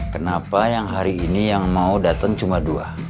kenapa yang hari ini yang mau datang cuma dua